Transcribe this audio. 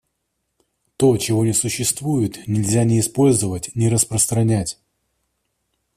То, чего не существует, нельзя ни использовать, ни распространять.